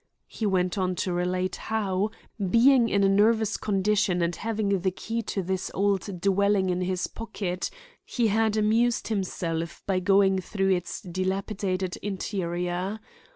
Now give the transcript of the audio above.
He went on to relate how, being in a nervous condition and having the key to this old dwelling in his pocket, he had amused himself by going through its dilapidated interior.